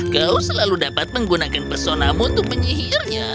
kau selalu dapat menggunakan personamu untuk menyihirnya